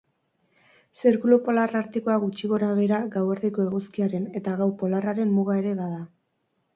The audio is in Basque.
Zirkulu Polar Artikoa gutxi gorabehera gauerdiko eguzkiaren eta gau polarraren muga ere bada.